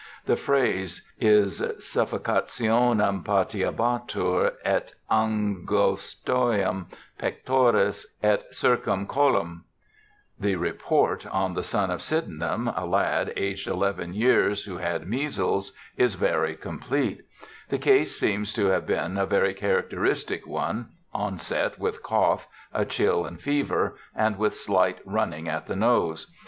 The phrase is * suffocationem patiebatur et an gostiam pectoris et circumcollum.' The report on the son of Sydenham, a lad, aged 11 years, who had measles, 76 BIOGRAPHICAL ESSAYS is very complete. The case seems to have been a very characteristic one : onset with cough, a chill and fever, and with slight running at the nose.